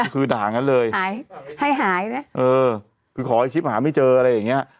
คือด่างั้นเลยหายให้หายนะเออคือขอให้ชิปหาไม่เจออะไรอย่างเงี้ย